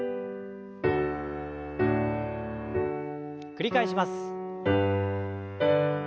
繰り返します。